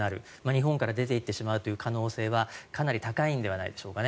日本から出ていってしまうという可能性はかなり高いんではないでしょうか